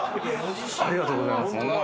ありがとうございます。